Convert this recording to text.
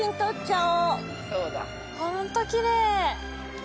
ホントきれい！